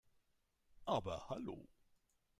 Aber hallo!